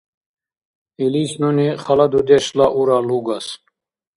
Илис нуни хала дудешла ура лугас.